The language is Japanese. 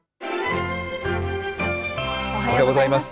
おはようございます。